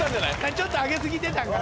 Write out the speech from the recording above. ちょっと上げ過ぎてたんかな。